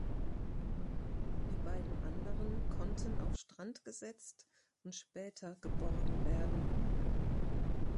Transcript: Die beiden anderen konnten auf Strand gesetzt und später geborgen werden.